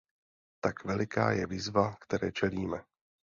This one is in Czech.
Tak veliká je výzva, které čelíme.